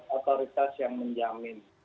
siapakah otoritas yang menjamin